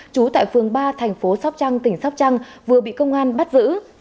trú tại phường ba tp sóc trăng tỉnh sóc trăng vừa bị công an bắt giữ